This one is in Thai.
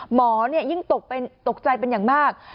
หมอยิ่งตกใจเป็นอย่างมาก